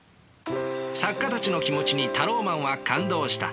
作家たちの気持ちにタローマンは感動した。